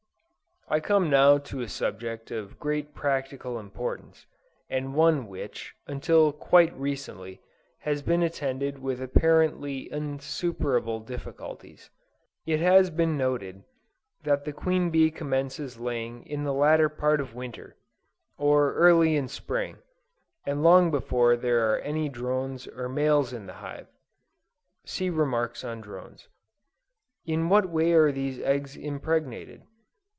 I come now to a subject of great practical importance, and one which, until quite recently, has been attended with apparently insuperable difficulties. It has been noticed that the queen bee commences laying in the latter part of winter, or early in spring, and long before there are any drones or males in the hive. (See remarks on Drones.) In what way are these eggs impregnated?